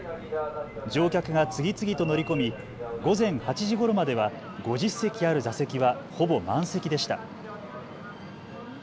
乗客が次々と乗り込み午前８時ごろまでは５０席ある座席はほぼ満席でした。